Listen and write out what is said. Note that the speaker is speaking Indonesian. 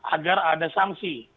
agar ada sanksi